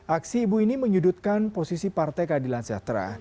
aksi ibu ini menyudutkan posisi partai keadilan sejahtera